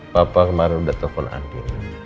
papa kemarin udah telepon adil